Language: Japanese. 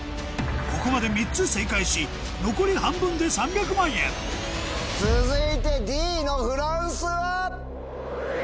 ここまで３つ正解し残り半分で３００万円続いてＤの「フランス」は？